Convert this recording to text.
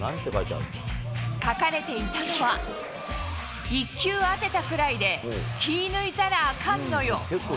書かれていたのは、一球当てたくらいで気抜いたらアカンのよ。